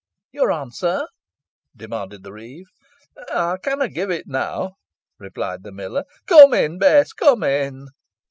"Your answer?" demanded the reeve. "Ey canna gi' it now," replied the miller. "Come in, Bess; come in."